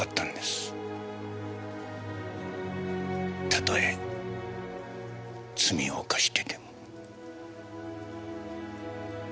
たとえ罪を犯してでも。